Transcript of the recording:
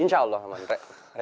insya allah aman re